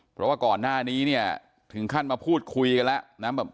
เพราะว่าก่อนหน้านี้เนี่ยถึงขั้นมาพูดคุยกันแล้วนะ